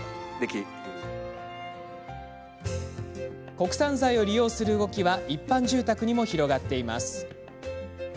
国産材を利用する動きは一般住宅にも広がっています。